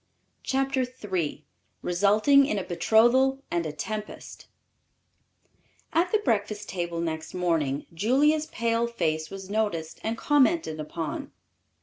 CHAPTER III RESULTING IN A BETROTHAL AND A TEMPEST At the breakfast table next morning Julia's pale face was noticed and commented upon.